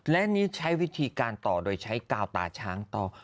และนี่ใช้วิธีการต่อโดยใช้กาวตาช้างต่อ